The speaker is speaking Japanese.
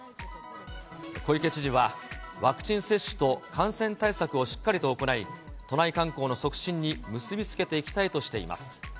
小池知事は、ワクチン接種と感染対策をしっかりと行い、都内観光の促進に結び付けていきたいとしています。